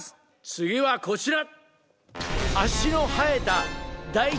次はこちら。